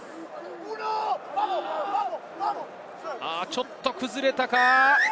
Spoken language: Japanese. ちょっと崩れたか？